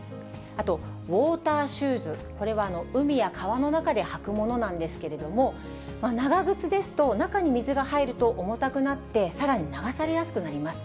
あと、ウォーターシューズ、これは海や川の中で履くものなんですけれども、長靴ですと、中に水が入ると重たくなって、さらに流されやすくなります。